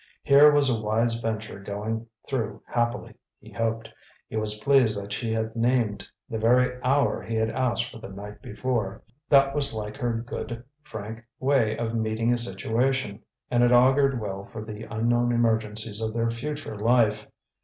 Here was a wise venture going through happily, he hoped. He was pleased that she had named the very hour he had asked for the night before. That was like her good, frank way of meeting a situation, and it augured well for the unknown emergencies of their future life.